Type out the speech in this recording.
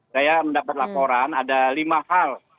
saya mendapat laporan ada lima hal